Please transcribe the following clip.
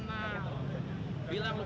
untuk bawa ke kawasan istana